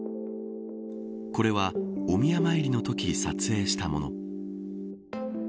これはお宮参りのときに撮影したもの。